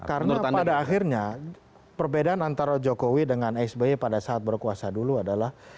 karena pada akhirnya perbedaan antara jokowi dengan sby pada saat berkuasa dulu adalah